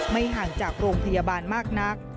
ห่างจากโรงพยาบาลมากนัก